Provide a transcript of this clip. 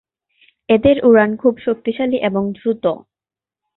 এদের উড়ান খুব শক্তিশালী এবং দ্রুত।